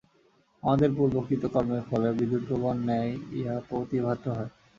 আমাদের পূর্বকৃত কর্মের ফলে বিদ্যুৎপ্রভার ন্যায় ইহা প্রতিভাত হয়।